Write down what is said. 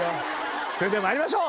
それでは参りましょう。